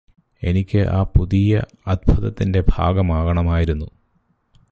എനിക്ക് ആ പുതിയ അത്ഭുതത്തിന്റെ ഭാഗമാകണമായിരുന്നു